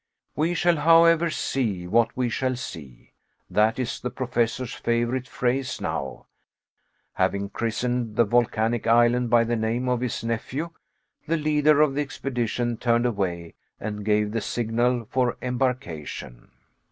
We shall, however, see what we shall see. That is the Professor's favorite phrase now. Having christened the volcanic island by the name of his nephew, the leader of the expedition turned away and gave the signal for embarkation.